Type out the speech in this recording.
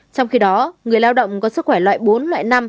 trong khi đó người lao động có sức khỏe loại bốn loại năm